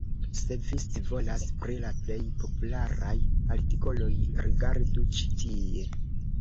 Se vi scivolas pri la plej popularaj artikoloj, rigardu ĉi tie.